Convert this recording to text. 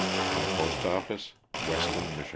My postoffice Weston, Mich.